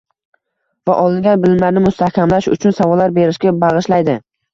va olingan bilimlarni mustahkamlash uchun savollar berishga bag‘ishlaydi.